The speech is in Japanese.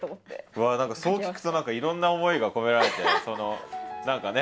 うわ何かそう聞くといろんな思いが込められて何かね